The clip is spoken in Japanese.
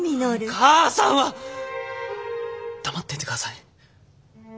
母さんは黙っていてください。